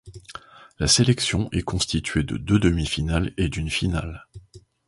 La sélection est constituée de deux demi-finales et d'une finale.